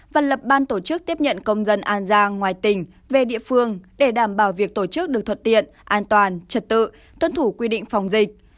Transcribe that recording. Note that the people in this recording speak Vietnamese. và lập ban tổ chức tiếp nhận công dân an giang ngoài tỉnh về địa phương để đảm bảo việc tổ chức được thuận tiện an toàn trật tự tuân thủ quy định phòng dịch